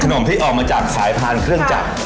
มที่ออกมาจากสายพานเครื่องจักร